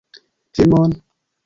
Filmon?